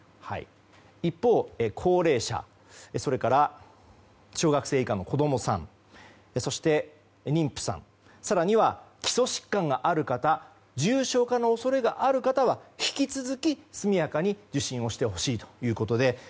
一方、高齢者や小学生以下の子供さんそして、妊婦さん更には基礎疾患がある方重症化の恐れがある方は引き続き、速やかに受診してほしいということで。